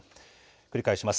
繰り返します。